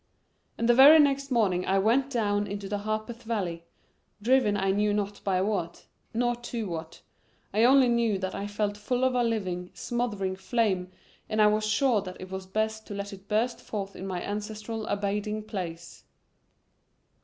And the very next morning I went down into the Harpeth Valley, driven I knew not by what, nor to what. I only knew that I felt full of a living, smothered flame and I was sure that it was best to let it burst forth in my ancestral abiding place.